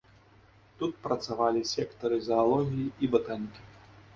Тут працавалі сектары заалогіі і батанікі.